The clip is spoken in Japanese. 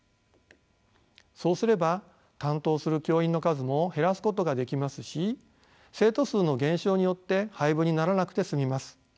そうすれば担当する教員の数も減らすことができますし生徒数の減少によって廃部にならなくて済みます。